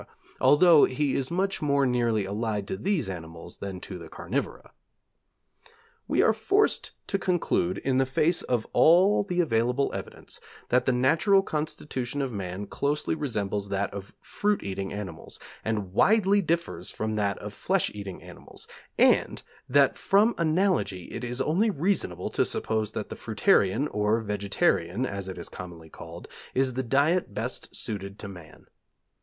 although he is much more nearly allied to these animals than to the carnivora. We are forced to conclude, in the face of all the available evidence, that the natural constitution of man closely resembles that of fruit eating animals, and widely differs from that of flesh eating animals, and that from analogy it is only reasonable to suppose that the fruitarian, or vegetarian, as it is commonly called, is the diet best suited to man.